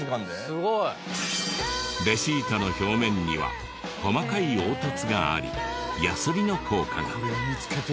すごい。レシートの表面には細かい凹凸がありヤスリの効果が。